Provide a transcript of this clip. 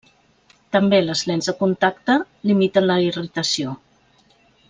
També les lents de contacte limiten la irritació.